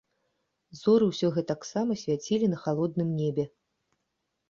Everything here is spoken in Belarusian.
Зоры ўсё гэтаксама свяцілі на халодным небе.